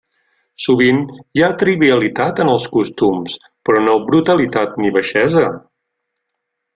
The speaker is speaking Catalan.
Sovint hi ha trivialitat en els costums, però no brutalitat ni baixesa.